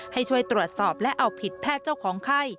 ให้ช่วยตรวจสอบและเอาผิดแพทย์เจ้าของไข้